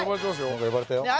何か呼ばれたよね